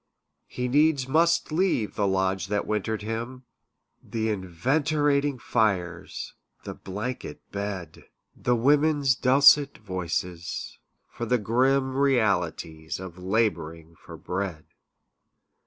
He needs must leave the lodge that wintered him, The enervating fires, the blanket bed The women's dulcet voices, for the grim Realities of labouring for bread.